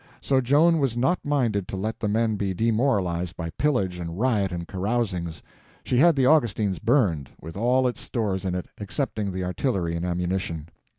So Joan was not minded to let the men be demoralized by pillage and riot and carousings; she had the Augustins burned, with all its stores in it, excepting the artillery and ammunition.